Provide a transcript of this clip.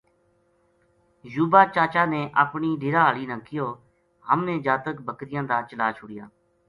یوبا چاچا نے اپنی ڈیرا ہالی نا کہیو ہم نے جاتک بکریاں دا چلا چھُڑیا